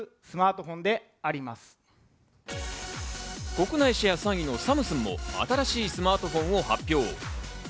国内シェア３位のサムスンも新しいスマートフォンを発表。